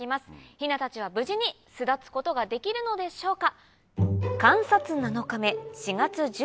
ヒナたちは無事に巣立つことができるのでしょうか？